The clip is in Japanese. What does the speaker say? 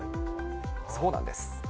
そうなんです。